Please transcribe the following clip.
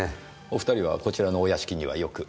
お２人はこちらのお屋敷にはよく？